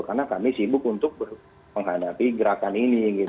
karena kami sibuk untuk menghadapi gerakan ini gitu